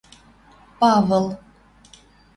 Павыл